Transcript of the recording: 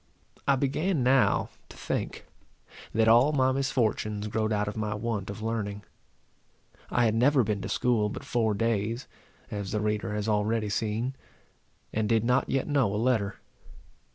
I began now to think, that all my misfortunes growed out of my want of learning. I had never been to school but four days, as the reader has already seen, and did not yet know a letter.